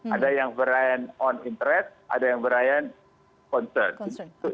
ada yang varian on interest ada yang varian concerned